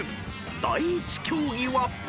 ［第１競技は］